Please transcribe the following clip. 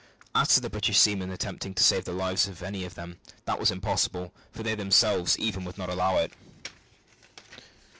As to the English seamen attempting to save the lives of any of them, that was impossible, for they themselves even would not allow it.